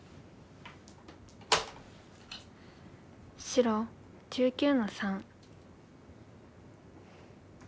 白１９の三。